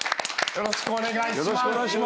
よろしくお願いします。